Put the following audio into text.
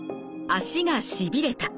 足がしびれた。